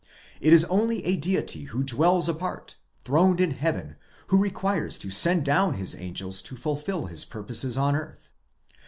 It is only a Deity who dwells apart, throned in heaven, who requires to send down his angels to fulfil his purposes on earth.